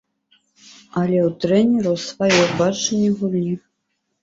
Але ў трэнераў сваё бачанне гульні.